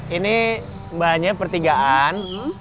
ini mbahnya pertigaan